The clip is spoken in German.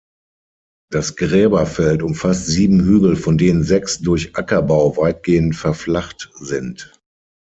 Das Gräberfeld umfasst sieben Hügel, von denen sechs durch Ackerbau weitgehend verflacht sind.